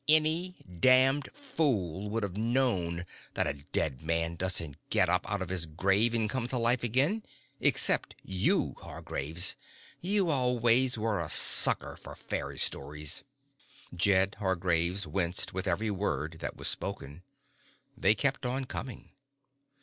Any damned fool would have known that a dead man doesn't get up out of his grave and come to life again. Except you, Hargraves. You always were a sucker for fairy stories." Jed Hargraves winced with every word that was spoken. They kept on coming.